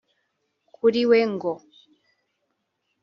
Kuri we ngo